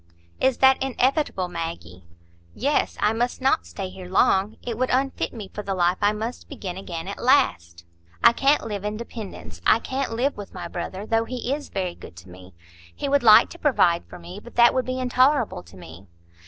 "Is that inevitable, Maggie?" "Yes; I must not stay here long. It would unfit me for the life I must begin again at last. I can't live in dependence,—I can't live with my brother, though he is very good to me. He would like to provide for me; but that would be intolerable to me."